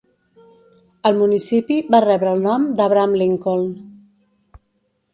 El municipi va rebre el nom d'Abraham Lincoln.